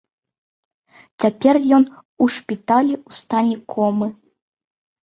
Цяпер ён у шпіталі ў стане комы.